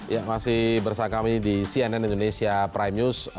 ya masih bersama kami di cnn indonesia prime news